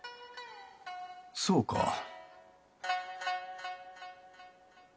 そうか。